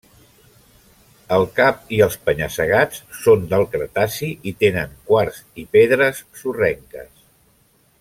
El cap i els penya-segats són del Cretaci i tenen quars i pedres sorrenques.